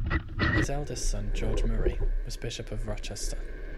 His eldest son George Murray was Bishop of Rochester.